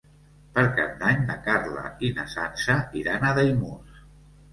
Per Cap d'Any na Carla i na Sança iran a Daimús.